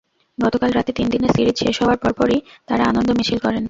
গতকাল রাতে তিন দিনের সিরিজ শেষ হওয়ার পরপরই তাঁরা আনন্দ মিছিল করেন।